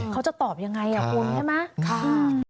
เขาจะตอบยังไงคุณใช่ไหม